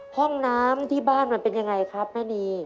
ห้องน้ำที่บ้านมันเป็นยังไงครับแม่นี